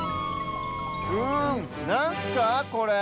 うんなんすかこれ？